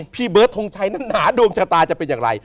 พี่เบิร์ดทงชัยนั้นหนาดวงชะตาจะเป็นอย่างไร